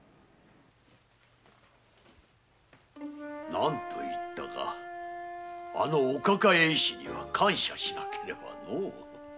何といったかあのお抱え医師には感謝しなければのう。